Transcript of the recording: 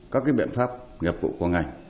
các cái biện pháp nghiệp vụ của ngành